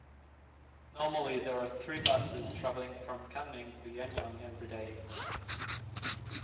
Normally there are three buses travelling from Kunming to Yuanyang every day.